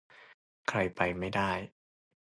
ใครไปไม่ได้